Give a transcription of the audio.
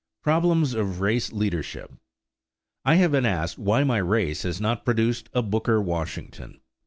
PROBLEMS OF RACE LEADERSHIP I have been asked why my race has not produced a Booker Washington.